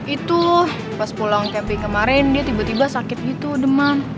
itu pas pulang keping kemarin dia tiba tiba sakit gitu demam